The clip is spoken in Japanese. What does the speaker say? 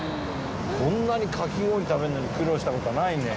こんなにかき氷食べるのに苦労した事はないね。